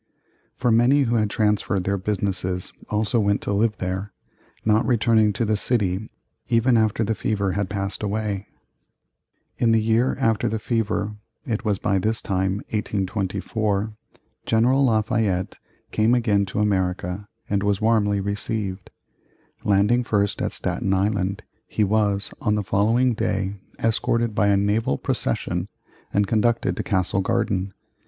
For many who had transferred their business also went to live there, not returning to the city even after the fever had passed away. [Illustration: Landing of Lafayette at Castle Garden.] In the year after the fever (it was by this time 1824) General Lafayette came again to America and was warmly received. Landing first at Staten Island, he was, on the following day, escorted by a naval procession and conducted to Castle Garden.